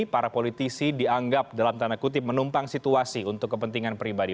para politisi dianggap dalam tanda kutip menumpang situasi untuk kepentingan pribadi